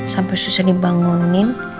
sampai susah dibangunin